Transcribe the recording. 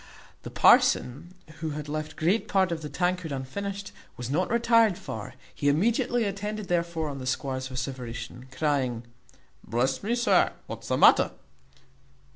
The parson, who had left great part of the tankard unfinished, was not retired far; he immediately attended therefore on the squire's vociferation, crying, "Bless me! sir, what's the matter?"